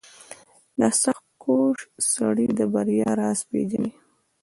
• سختکوش سړی د بریا راز پېژني.